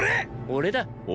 俺だ。